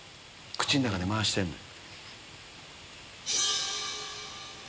口の中で回してんのよ。